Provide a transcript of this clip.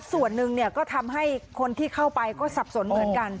ส่วนหนึ่งก็ทำให้คนที่เข้าไปก็สับสนเหมือนกัน